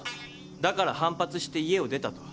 だから反発して家を出たと。